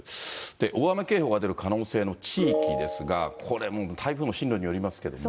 大雨警報が出る可能性のある地域ですが、これも台風の進路によりますけれども。